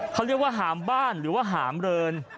เขาเรียกว่าหามบ้านหรือว่าหามเริน